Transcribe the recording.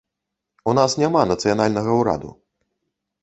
У нас няма нацыянальнага ўраду.